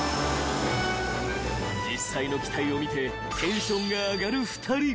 ［実際の機体を見てテンションが上がる２人］